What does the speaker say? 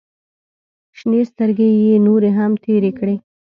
شنې سترګې يې نورې هم تېرې کړې.